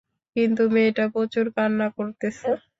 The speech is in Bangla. কিন্তু মেয়েটা প্রচুর কান্না করতেছে।